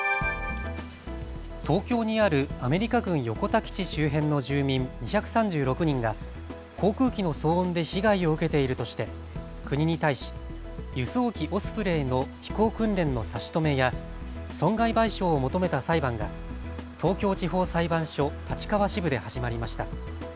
東京にあるアメリカ軍横田基地周辺の住民２３６人が航空機の騒音で被害を受けているとして国に対し輸送機、オスプレイの飛行訓練の差し止めや損害賠償を求めた裁判が東京地方裁判所立川支部で始まりました。